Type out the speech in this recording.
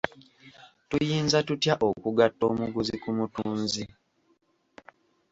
Tuyinza tutya okugatta omuguzi ku mutunzi?